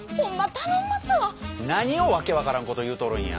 何を訳分からんこと言うとるんや。